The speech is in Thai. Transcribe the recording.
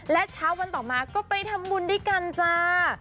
และเช้าวันต่อมาก็ไปทำบุญด้วยกันจ้า